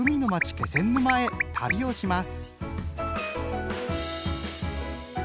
気仙沼へ旅をします。